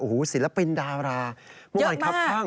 โอ้โหศิลปินดาราเยอะมากครับพัง